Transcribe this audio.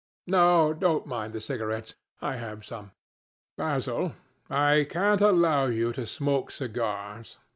No, don't mind the cigarettes—I have some. Basil, I can't allow you to smoke cigars.